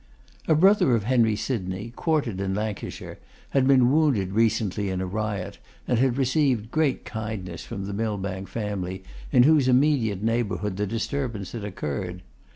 A brother of Henry Sydney, quartered in Lancashire, had been wounded recently in a riot, and had received great kindness from the Millbank family, in whose immediate neighbourhood the disturbance had occurred.